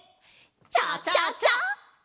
チャチャチャ！